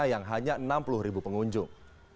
yang hanya enam puluh ribu pengunjung